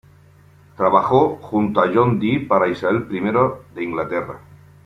Trabajó junto a John Dee para Isabel I de Inglaterra.